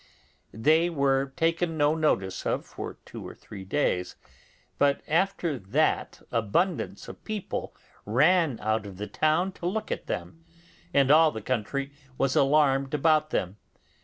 They were taken no notice of for two or three days, but after that abundance of people ran out of the town to look at them, and all the country was alarmed about them.